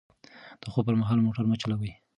د خوب پر مهال موټر مه چلوئ.